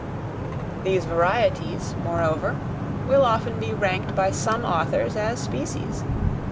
These varieties, moreover, will often be ranked by some authors as species.